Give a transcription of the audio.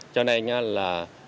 cho nên là